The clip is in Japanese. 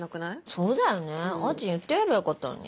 そうだよねあーちん言ってやればよかったのに。